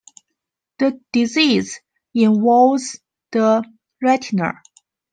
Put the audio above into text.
The disease involves the retina.